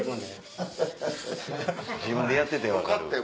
自分でやってて分かる。